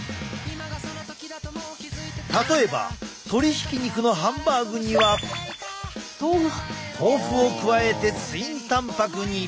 例えば鶏ひき肉のハンバーグには豆腐を加えてツインたんぱくに。